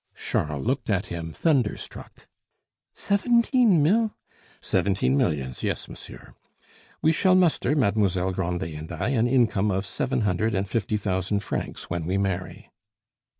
Charles looked at him thunderstruck. "Seventeen mil " "Seventeen millions; yes, monsieur. We shall muster, Mademoiselle Grandet and I, an income of seven hundred and fifty thousand francs when we marry."